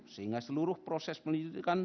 sehingga seluruh proses menjadikan